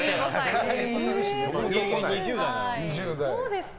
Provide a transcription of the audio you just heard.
どうですか？